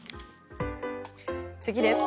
次です。